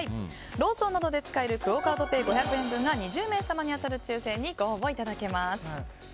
ローソンなどで使えるクオ・カードペイ５００円分が２０名様に当たる抽選にご応募いただけます。